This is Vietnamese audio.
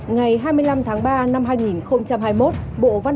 ngày hai mươi năm tháng ba năm hai nghìn hai mươi một